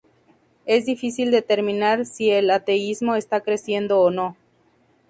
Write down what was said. Es difícil determinar si el ateísmo está creciendo o no.